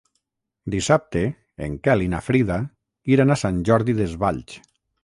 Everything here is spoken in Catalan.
Dissabte en Quel i na Frida iran a Sant Jordi Desvalls.